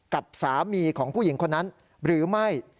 กับสามีของผู้หญิงคนนั้นหรือไม่